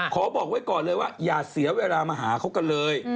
บอกไว้ก่อนเลยว่าอย่าเสียเวลามาหาเขากันเลย